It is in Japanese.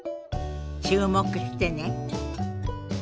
注目してね。